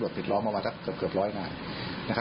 คือหลบปิดล้อมออกมาจะเกือบร้อยหน่อย